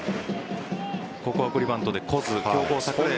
ここを送りバントで来ず。